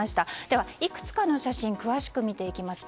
では、いくつかの写真を詳しく見ていきます。